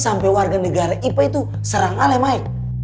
sampai warga negara ipe itu serang alemai